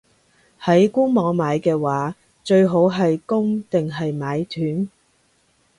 喺官網買嘅話，最好係供定係買斷?